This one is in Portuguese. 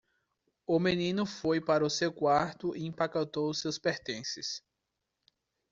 O menino foi para o seu quarto e empacotou seus pertences.